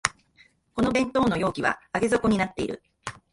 この弁当の容器は上げ底になってる